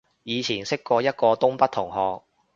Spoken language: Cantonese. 以前識過一個東北同學